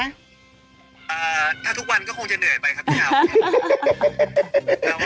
อ่าถ้าทุกวันก็คงจะเหนื่อยไปค่ะพี่อาวุธ